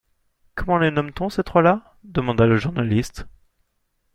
Comment les nomme-t-on, ces trois-là ? demanda le journaliste.